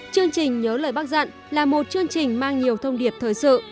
chương trình nhớ lời bác dặn là một chương trình mang nhiều thông điệp thời sự